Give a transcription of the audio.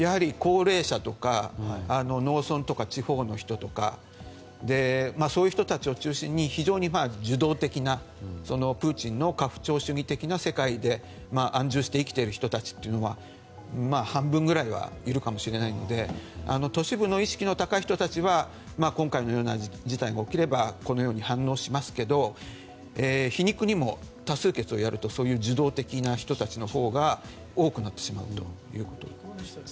高齢者ですとか農村とか地方の人とかそういう人たちを中心に非常に受動的なプーチンの家父長主義的な世界で安寿して生きている人たちは半分ぐらいはいるかもしれないので都市部の意識の高い人たちは今回のような事態が起きればこのように反応しますけど皮肉にも多数決をやるとそういう受動的な人たちのほうが多くなってしまいます。